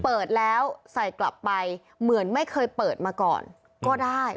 เปิดแล้วใส่กลับไปเหมือนไม่เคยเปิดมาก่อนก็ได้